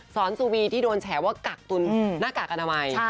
สอนสุวีที่โดนแฉว่ากักตุนหน้ากากอนามัย